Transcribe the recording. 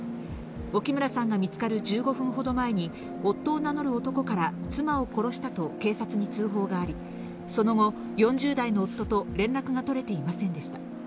沖村さんが見つかる１５分ほど前に、夫を名乗る男から、妻を殺したと警察に通報があり、その後、４０代の夫と連絡が取れていませんでした。